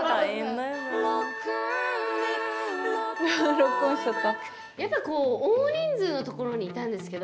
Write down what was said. ロックオンしちゃった。